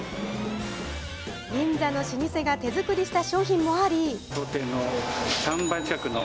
銀座の老舗が手作りした商品もあり。